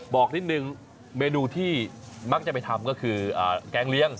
บอกนิดนึงเมนูที่มักจะไปทำก็คือแกงเลี้ยง